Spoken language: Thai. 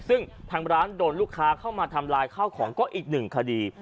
ซึ่งทางร้านโดนลูกค้าเข้ามาทำลายข้าวของก็อีกหนึ่งคดี